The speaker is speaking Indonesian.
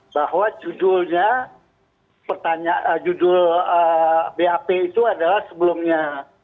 bahwa judulnya judul bap itu adalah sebelumnya